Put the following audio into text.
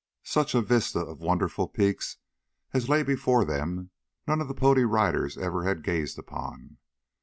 Such a vista of wonderful peaks as lay before them none of the Pony Riders ever had gazed upon.